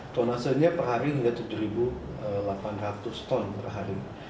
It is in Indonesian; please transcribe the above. tonasenya perhari hingga tujuh ribu delapan ratus ton perhari